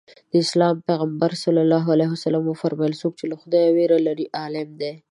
د اسلام پیغمبر ص وفرمایل څوک چې له خدایه وېره لري عالم دی.